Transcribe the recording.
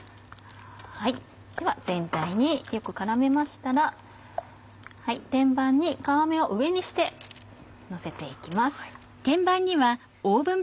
では全体によく絡めましたら天板に皮目を上にしてのせて行きます。